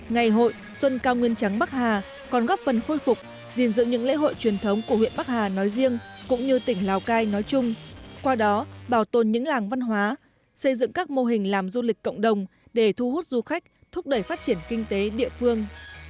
ngày hội xuân cao nguyên trắng bắc hà còn góp phần khôi phục gìn giữ những lễ hội truyền thống của huyện bắc hà nói riêng cũng như tỉnh lào cai nói chung qua đó bảo tồn những làng văn hóa xây dựng các mô hình làm du lịch cộng đồng để thu hút du khách thúc đẩy phát triển kinh tế địa phương